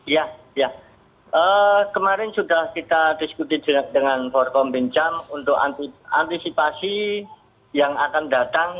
ya kemarin sudah kita diskuti dengan forkombin jam untuk antisipasi yang akan datang